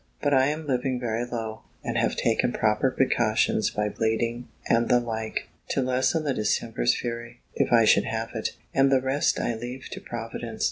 But I am living very low, and have taken proper precautions by bleeding, and the like, to lessen the distemper's fury, if I should have it; and the rest I leave to Providence.